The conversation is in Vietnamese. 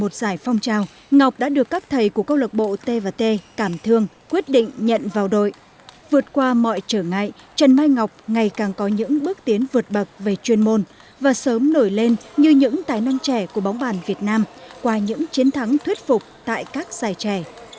trần mai ngọc đã nhận vào đội vượt qua mọi trở ngại trần mai ngọc ngày càng có những bước tiến vượt bậc về chuyên môn và sớm nổi lên như những tài năng trẻ của bóng bàn việt nam qua những chiến thắng thuyết phục tại các giải trẻ